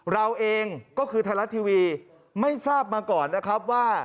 เราเองก็คือไทยรัฐทีวีไม่ทราบมาก่อนนะครับว่า